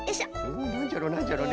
んなんじゃろなんじゃろね？